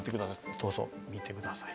どうぞ見てください